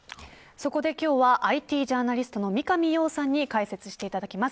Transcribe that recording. そこで今日はＩＴジャーナリストの三上洋さんに解説していただきます。